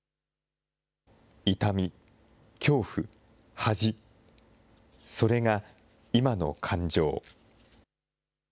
痛み、恐怖、恥、それが今の感情。